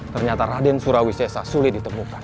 ternyata raden surawi sesasuli ditemukan